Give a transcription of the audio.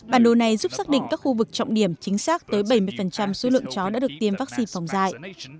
bản đồ này giúp xác định các khu vực trọng điểm chính xác tới bảy mươi số lượng chó đã được tiêm vaccine phòng dạy